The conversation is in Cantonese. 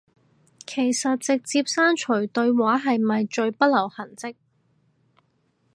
其實直接刪除對話係咪最不留痕跡